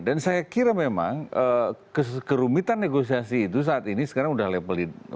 dan saya kira memang kerumitan negosiasi itu saat ini sekarang udah level udah masuk ke level